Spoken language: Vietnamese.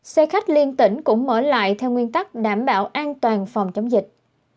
xe khách liên tỉnh cũng mở lại theo nguyên tắc đảm bảo an toàn phòng chống dịch